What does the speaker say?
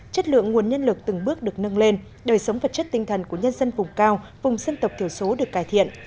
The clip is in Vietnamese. chất lượng nguồn nhân lực từng bước được nâng lên đời sống vật chất tinh thần của nhân dân vùng cao vùng dân tộc thiểu số được cải thiện